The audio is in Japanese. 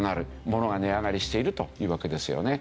物が値上がりしているというわけですよね。